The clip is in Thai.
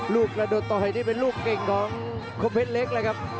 กระโดดต่อยนี่เป็นลูกเก่งของคมเพชรเล็กเลยครับ